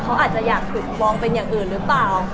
เขาอาจจะอยากถูกมองเป็นอย่างอื่นหรือเปล่า